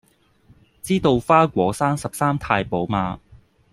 知道花果山十三太保嗎